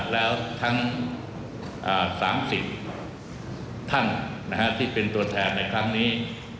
แล้วทั้ง๓๐ท่านที่เป็นตัวแทนในครั้งนี้